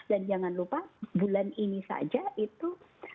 dan jangan lupa bulan ini saja itu